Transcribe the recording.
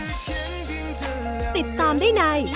ติดตามได้ใน